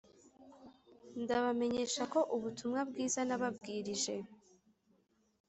ndabamenyesha ko ubutumwa bwiza nababwirije